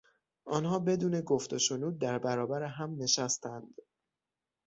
آنها بدون گفت و شنود در برابر هم نشستند.